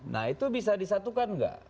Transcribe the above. nah itu bisa disatukan nggak